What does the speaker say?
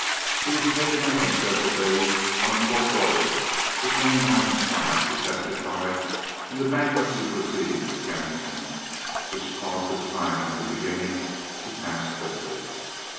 He was taken out on several days on a court order, between nine and five, to testify in the bankruptcy proceedings against him, which caused the time in the beginning to pass quickly.